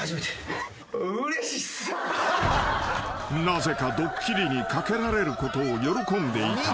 ［なぜかドッキリにかけられることを喜んでいた］